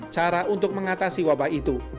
cara untuk mengatasi wabah itu